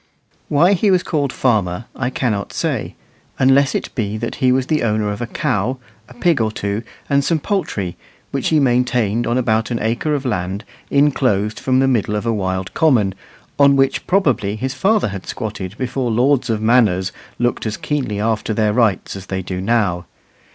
Why he was called "farmer" I cannot say, unless it be that he was the owner of a cow, a pig or two, and some poultry, which he maintained on about an acre of land inclosed from the middle of a wild common, on which probably his father had squatted before lords of manors looked as keenly after their rights as they do now.